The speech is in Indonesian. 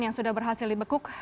yang sudah berhasil dibekuk